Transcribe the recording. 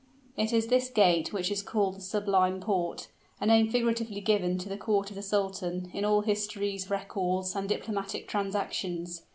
It is this gate which is called the Sublime Porte a name figuratively given to the court of the sultan, in all histories, records, and diplomatic transactions.